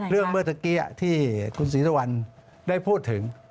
เรื่องเมื่อเมื่อกี้ที่คุณศิษฐวันได้พูดถึง